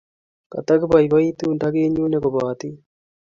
Tagipoipoitu nda kenyone kopo tech.